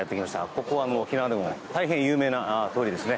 ここは沖縄でも大変有名な通りです。